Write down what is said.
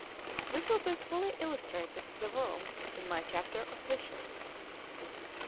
This will be fully illustrated to the world in my chapter of wishes.— Dr.